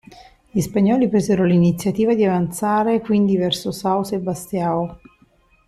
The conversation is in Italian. Gli spagnoli presero l'iniziativa di avanzare quindi verso São Sebastião.